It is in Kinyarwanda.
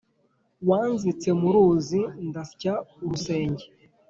Wanzitse mu ruzi ndasya-Urusenge.